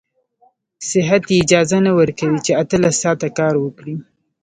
صحت يې اجازه نه ورکوي چې اتلس ساعته کار وکړي.